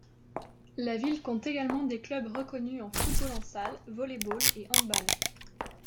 La ville compte également des clubs reconnus en football en salle, volley-ball et handball.